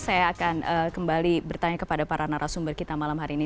saya akan kembali bertanya kepada para narasumber kita malam hari ini